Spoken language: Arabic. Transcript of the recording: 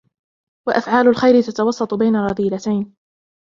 وَأَفْعَالُ الْخَيْرِ تَتَوَسَّطُ بَيْنَ رَذِيلَتَيْنِ